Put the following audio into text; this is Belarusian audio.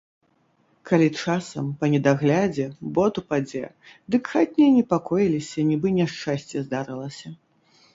Калі часам, па недаглядзе, бот упадзе, дык хатнія непакоіліся, нібы няшчасце здарылася.